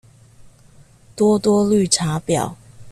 多多綠茶婊